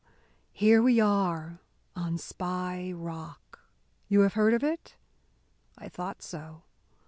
Here we are on Spy Rock! You have heard of it? I thought so.